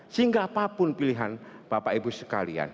sehingga apapun pilihan bapak ibu sekalian